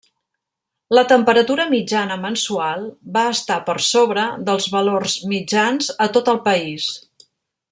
La temperatura mitjana mensual va estar per sobre dels valors mitjans a tot el país.